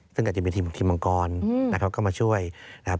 ซึ่งอาจจะมีทีมของทีมมังกรนะครับเข้ามาช่วยนะครับ